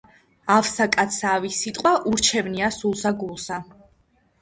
ავსა კაცსა ავი სიტყვა ურჩევნია სულსა გულსა